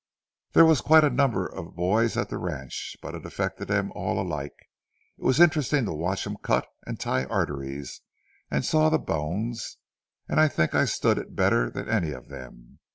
There was quite a number of boys at the ranch, but it affected them all alike. It was interesting to watch him cut and tie arteries and saw the bones, and I think I stood it better than any of them.